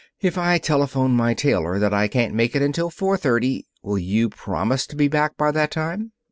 "If I telephone my tailor that I can't make it until four thirty, will you promise to be back by that time?"